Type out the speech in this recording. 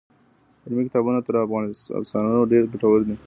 علمي کتابونه تر افسانو ډېر ګټور دي.